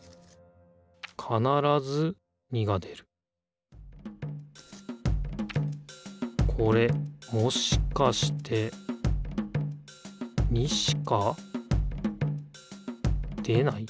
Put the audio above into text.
かならず２が出るこれもしかして２しか出ない？